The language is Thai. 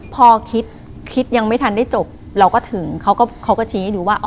พ่อคิดคิดยังไม่ทันได้จบเราก็ถึงเขาก็ชินให้ดูว่าอ๋อ